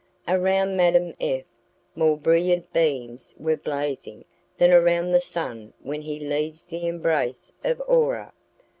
Around Madame F more brilliant beams were blazing than around the sun when he leaves the embrace of Aurora.